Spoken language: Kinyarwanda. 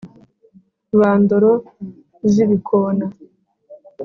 Ba ndoro z'ibikona,